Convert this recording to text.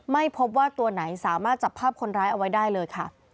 ไม่พบว่าตัวไหนสามารถจับภาพคนร้ายเอาไว้ได้เลยค่ะ